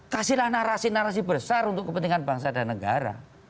kasihlah narasi narasi besar untuk kepentingan bangsa dan negara